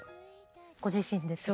ご自身ですか？